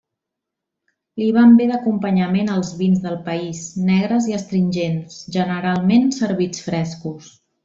Li van bé d'acompanyament els vins del país, negres i astringents, generalment servits frescos.